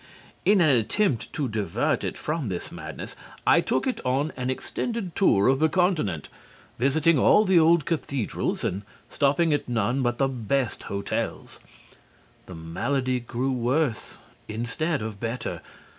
In an attempt to divert it from this madness, I took it on an extended tour of the Continent, visiting all the old cathedrals and stopping at none but the best hotels. The malady grew worse, instead of better.